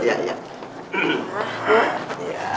bu saya udah gak sama